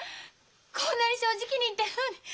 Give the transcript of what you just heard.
こんなに正直に言ってるのに。